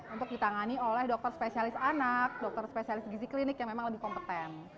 untuk ditangani oleh dokter spesialis anak dokter spesialis gizi klinik yang memang lebih kompeten